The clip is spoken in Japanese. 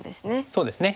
そうですね。